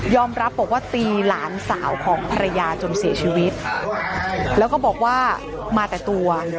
รับบอกว่าตีหลานสาวของภรรยาจนเสียชีวิตแล้วก็บอกว่ามาแต่ตัว